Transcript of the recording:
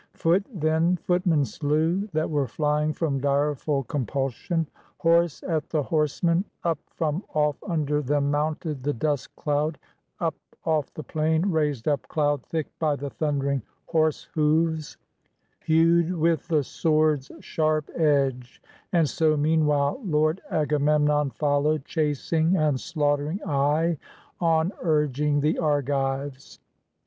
Foot then footmen slew, that were flying from direful compulsion, Horse at the horsemen (up from off under them mounted the dust cloud, Up off the plain, raised up cloud thick by the thundering horse hooves) Hewed with the sword's sharp edge; and so meanwhile Lord Agamemnon Followed, chasing and slaughtering aye, on urgeing the Argives.